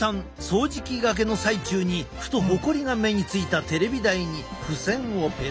掃除機がけの最中にふとほこりが目についたテレビ台に付箋をペタリ。